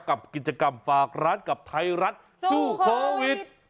กับกิจกรรมฝากร้านกับไทยรัฐสู้โควิด